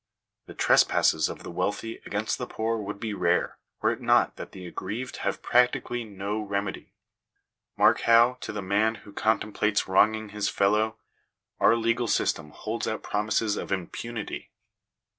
The tres passes of the wealthy against the poor would be rare, were it not that the aggrieved have practically no remedy. Mark how, to the man who contemplates wronging his fellow, our legal system holds out promises of impunity.